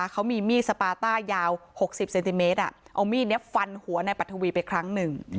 เขามีมีดสปาต้ายาว๖๐เซนติเมตรเอามีดนี้ฟันหัวในปัทวีไปครั้งหนึ่ง